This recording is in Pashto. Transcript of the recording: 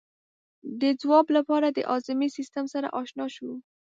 د ځواب لپاره د هاضمې سیستم سره آشنا شو.